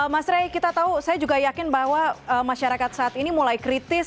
mas rey kita tahu saya juga yakin bahwa masyarakat saat ini mulai kritis